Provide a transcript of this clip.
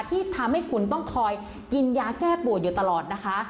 ที่ทำให้คุณต้องคอยกินยาแก้ปวดอยู่ตลอดนะคะ